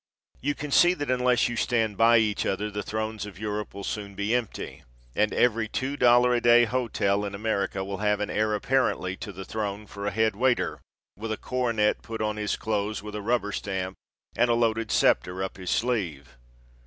You can see that unless you stand by each other the thrones of Europe will soon be empty, and every two dollar a day hotel in America will have an heir apparently to the throne for a head waiter, with a coronet put on his clothes with a rubber stamp and a loaded scepter up his sleeve.